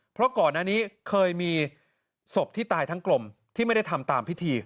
เพราะก่อนอันนี้เคยมีศพที่ตายทั้งกลมที่ไม่ได้ทำตามพิธี